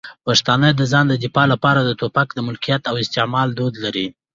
پښتانه د ځان د دفاع لپاره د ټوپک د ملکیت او استعمال دود لري.